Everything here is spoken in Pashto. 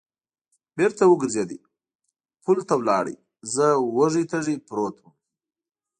بېرته و ګرځېد، پل ته ولاړ، زه وږی تږی پروت ووم.